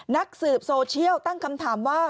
นักสืบโซเชียลตั้งคำถามว่า